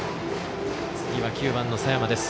次は９番の佐山です。